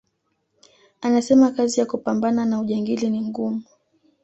Anasema kazi ya kupambana na ujangili ni ngumu